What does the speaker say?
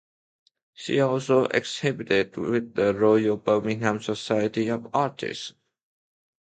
She also exhibited with the Royal Birmingham Society of Artists.